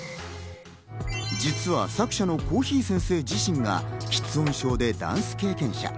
実は作者の珈琲先生自身が吃音症でダンス経験者。